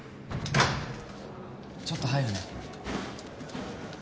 ちょっと入るね。